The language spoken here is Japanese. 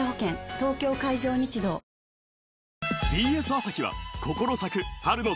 東京海上日動あれ？